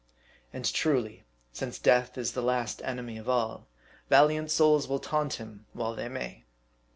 And truly, since death is the last enemy of all, valiant souls will taunt him while they may.